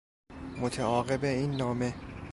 متعاقب این نامه